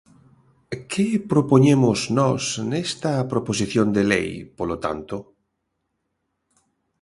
¿Que propoñemos nós nesta proposición de lei, polo tanto?